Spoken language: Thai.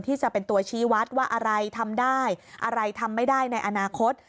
ที่จะเป็นตัวชี้วัดว่าอะไรทำได้อะไรทำไม่ได้ในอนาคต